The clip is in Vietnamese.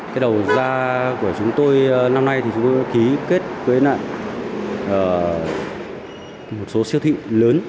cái đầu ra của chúng tôi năm nay thì chúng tôi đã ký kết với lại một số siêu thị lớn